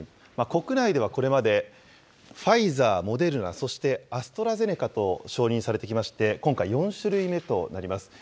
国内ではこれまでファイザー、モデルナ、そしてアストラゼネカと、承認されてきまして、今回、４種類目となります。